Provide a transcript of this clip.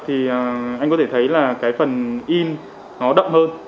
thì anh có thể thấy là cái phần in nó đậm hơn